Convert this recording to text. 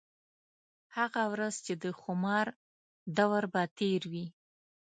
هغه ورځ چې د خومار دَور به تېر وي